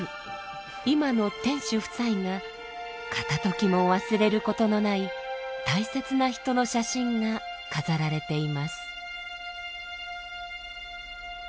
今の店主夫妻が片ときも忘れることのない大切な人の写真が飾られています。